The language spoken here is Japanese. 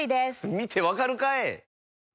見て分かるかい！